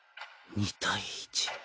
２対１。